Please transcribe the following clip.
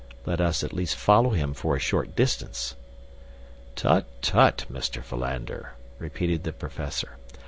Let us at least follow him for a short distance." "Tut, tut, Mr. Philander," repeated the professor.